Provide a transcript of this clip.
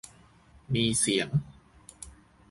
มีเสียง